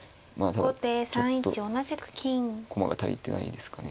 ただちょっと駒が足りてないですかね。